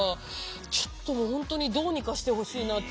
ちょっと本当にどうにかしてほしいなって。